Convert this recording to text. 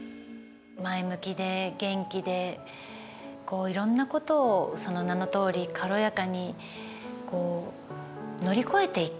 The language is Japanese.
前向きで元気でいろんなことをその名のとおり軽やかにこう乗り越えていく。